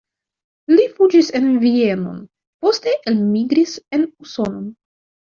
Li fuĝis en Vienon, poste elmigris en Usonon.